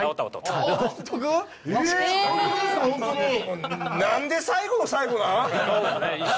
何で最後の最後なん？